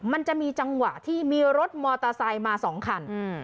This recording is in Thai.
มันจะมีจังหวะที่มีรถมอเตอร์ไซค์มาสองคัน